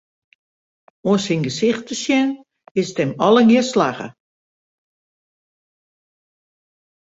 Oan syn gesicht te sjen, is it him allegear slagge.